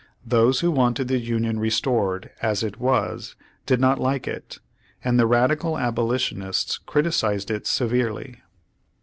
Those who v/anted the Union restored "as it was" did not like it, and the radical abolitionists criticised it severely.